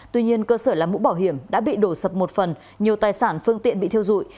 tuy nhiên cơ sở làm mũ bảo hiểm đã bị đổ sập một phần nhiều tài sản phương tiện bị thiêu dụi